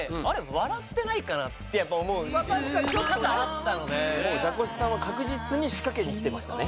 笑ってないかなってやっぱ思うシーンも多々あったのでザコシさんは確実に仕掛けにきてましたね